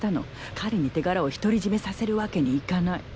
彼に手柄を独り占めさせるわけにいかない。